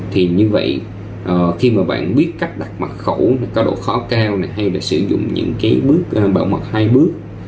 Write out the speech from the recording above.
thì như vậy khi mà bạn biết cách đặt mật khẩu có độ khó cao này hay là sử dụng những cái bước bảo mật hai bước